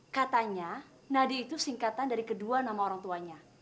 katanya nadi itu singkatan dari kedua nama orang tuanya